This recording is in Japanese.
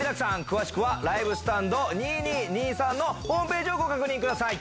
詳しくは『ＬＩＶＥＳＴＡＮＤ２２−２３』のホームページをご確認ください。